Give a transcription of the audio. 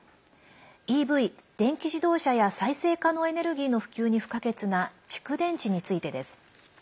ＥＶ＝電気自動車や再生可能エネルギーの普及に不可欠な蓄電池についてです。